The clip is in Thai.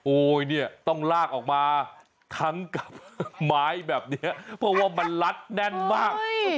เนี่ยต้องลากออกมาทั้งกับไม้แบบนี้เพราะว่ามันลัดแน่นมาก